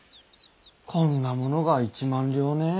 こんなものが一万両ねえ。